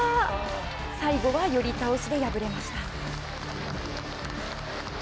最後は寄り倒しで敗れました。